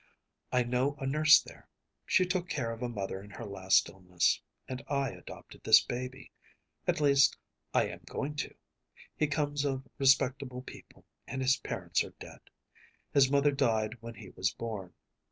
I know a nurse there. She took care of mother in her last illness. And I adopted this baby; at least, I am going to. He comes of respectable people, and his parents are dead. His mother died when he was born.